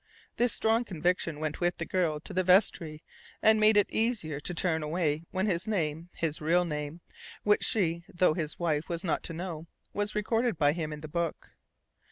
This strong conviction went with the girl to the vestry, and made it easier to turn away when his name his real name, which she, though his wife, was not to know was recorded by him in the book.